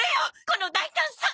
この大胆さ！